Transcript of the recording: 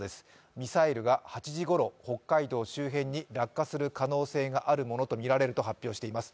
ミサイルが８時ごろ、北海道周辺に落下する可能性があるものとみられると発表しています。